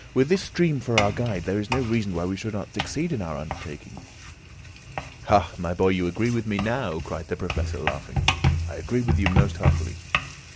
"With this stream for our guide, there is no reason why we should not succeed in our undertaking." "Ah, my boy! you agree with me now," cried the Professor, laughing. "I agree with you most heartily."